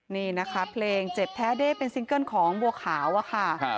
นี่นะคะเพลงเจ็บแท้เด้เป็นซิงเกิ้ลของบัวขาวอะค่ะ